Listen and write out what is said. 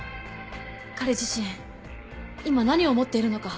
彼自身今何を思っているのか。